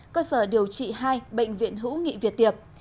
cơ sở điều trị hai bệnh viện hữu nghị việt tiệp